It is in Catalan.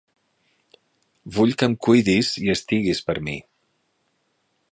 Vull que em cuidis i estiguis per mi.